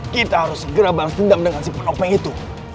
kita harus segera balas dendam dengan si penopang itu